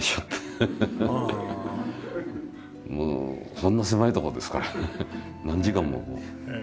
こんな狭いとこですから何時間もこう。